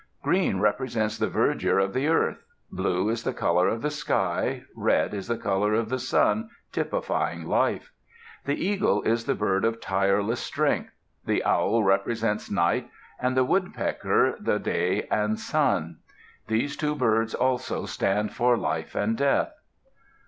Green represents the verdure of the earth; blue is the color of the sky; red is the color of the sun, typifying life. The eagle is the bird of tireless strength. The owl represents night, and the woodpecker the day and sun. These two birds also stand for life and death.